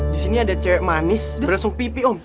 disini ada cewek manis beresung pipi om